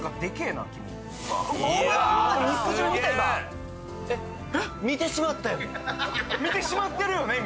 えっ見てしまってるよね